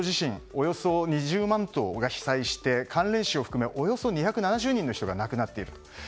およそ２０万棟が被災して関連死を含めおよそ２７０人の人が亡くなっている。